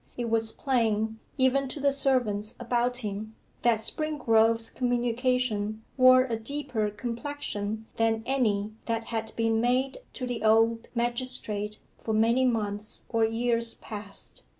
It was plain, even to the servants about him, that Springrove's communication wore a deeper complexion than any that had been made to the old magistrate for many months or years past.